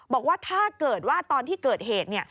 บอกว่าถ้าเกิดว่าตอนที่เกิดเหตุ